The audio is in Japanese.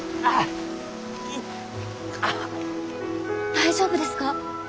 大丈夫ですか？